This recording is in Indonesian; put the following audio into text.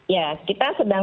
ya kita sedang